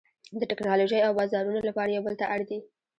د ټکنالوژۍ او بازارونو لپاره یو بل ته اړ دي